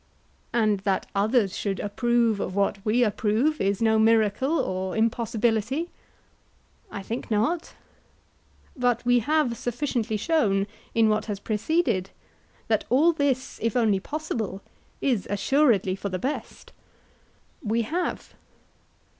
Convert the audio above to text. And that others should approve, of what we approve, is no miracle or impossibility? I think not. But we have sufficiently shown, in what has preceded, that all this, if only possible, is assuredly for the best. We have.